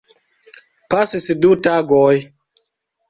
Pasis du tagoj.